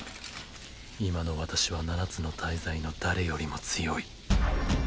今の私は七つの大罪の誰よりも強い。